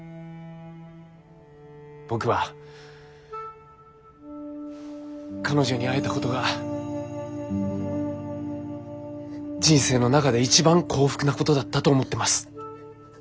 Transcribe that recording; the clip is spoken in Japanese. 僕は彼女に会えたことが人生の中で一番幸福なことだったと思ってます。